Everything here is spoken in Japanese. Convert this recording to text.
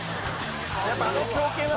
「やっぱあの強肩は」